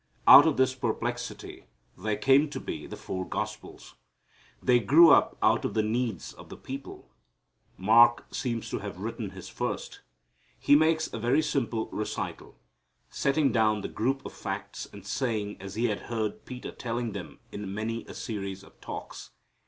Out of this perplexity there came to be the four Gospels. They grew up out of the needs of the people. Mark seems to have written his first. He makes a very simple recital, setting down the group of facts and sayings as He had heard Peter telling them in many a series of talks.